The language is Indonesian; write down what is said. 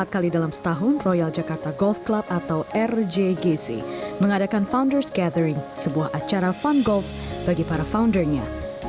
empat kali dalam setahun royal jakarta golf club atau rjgc mengadakan founders gathering sebuah acara fun golf bagi para foundernya